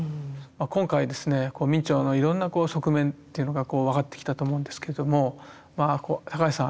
今回明兆のいろんな側面というのが分かってきたと思うんですけれども高橋さん